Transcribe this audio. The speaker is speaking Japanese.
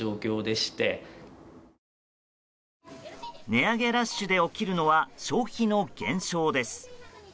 値上げラッシュで起きるのは消費の減少です。